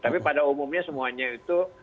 tapi pada umumnya semuanya itu